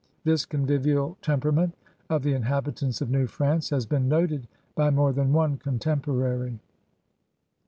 This convivial temperament of the inhabitants of New France has been noted by more than one contemporary.